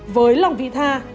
với lòng vị tha